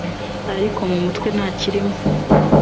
ariko mu mutwe nta kirimo.